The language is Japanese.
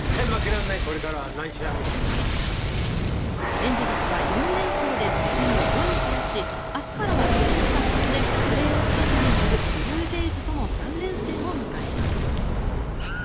エンゼルスは４連勝で貯金を５に増やし明日からはゲーム差３でプレーオフ圏内にいるブルージェイズとの３連戦を迎えます。